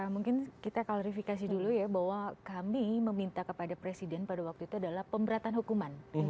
mungkin kita klarifikasi dulu ya bahwa kami meminta kepada presiden pada waktu itu adalah pemberatan hukuman